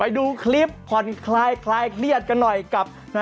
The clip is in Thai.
ไปดูคลิปผ่อนคลายคลายเครียดกันหน่อยกับ